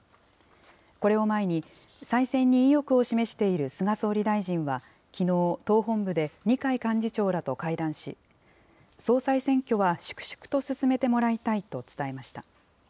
これを前に、再選に意欲を示している菅総理大臣はきのう、党本部で二階幹事長らと会談し、総裁選挙は粛々と進めてもらいたいと伝えました。